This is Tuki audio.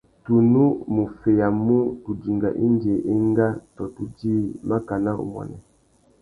Tu nù mú feyamú tu dinga indi enga tô tu djï makana umuênê.